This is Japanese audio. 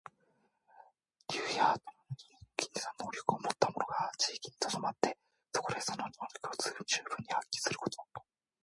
竜や、とらのように抜きんでた能力をもった者がある地域にとどまって、そこでその能力を存分に発揮すること。